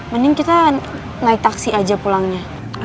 mending kita naik taksi aja pulangnya